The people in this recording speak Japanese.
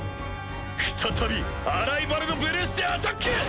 再びアライヴァルドブルースでアタック！